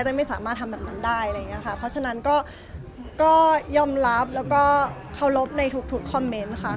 ไม่สามารถทำแบบนั้นได้อะไรอย่างเงี้ยค่ะเพราะฉะนั้นก็ยอมรับแล้วก็เคารพในทุกทุกคอมเมนต์ค่ะ